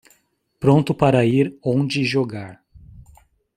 Pronto para ir onde jogar